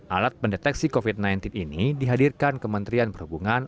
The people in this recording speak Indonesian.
alat pendeteksi covid sembilan belas ini dihadirkan kementerian perhubungan